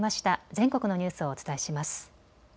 全国のニュースをお伝えします。